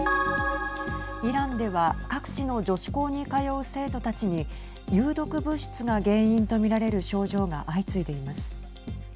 イランでは各地の女子高に通う生徒たちに有毒物質が原因と見られる症状が相次いでいます。